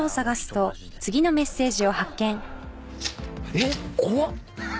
えっ⁉怖っ！